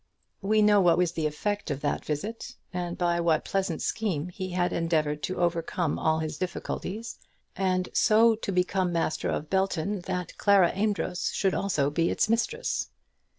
We know what was the effect of that visit, and by what pleasant scheme he had endeavoured to overcome all his difficulties, and so to become master of Belton that Clara Amedroz should also be its mistress.